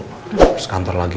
terus kantor lagi